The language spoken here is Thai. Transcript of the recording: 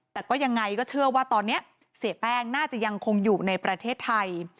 แต่ก็ยังไงก็เชื่อว่าตอนนี้เสียแป้งน่าจะยังคงอยู่ในประเทศไทย